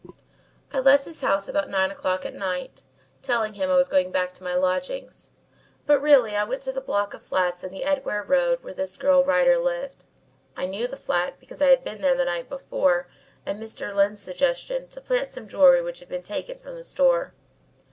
"I left his house about nine o'clock at night, telling him I was going back to my lodgings. But really I went to the block of flats in the Edgware Road where this girl Rider lived. I knew the flat because I had been there the night before at Mr. Lyne's suggestion to plant some jewellery which had been taken from the store.